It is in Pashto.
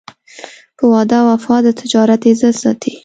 په وعده وفا د تجارت عزت ساتي.